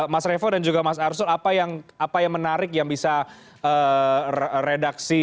mas revo dan juga mas arsul apa yang menarik yang bisa redaksi